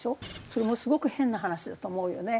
それもすごく変な話だと思うよね。